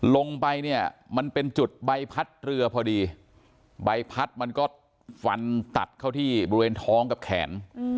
ลงไปเนี่ยมันเป็นจุดใบพัดเรือพอดีใบพัดมันก็ฟันตัดเข้าที่บริเวณท้องกับแขน